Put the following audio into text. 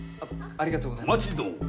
ありがとうございます。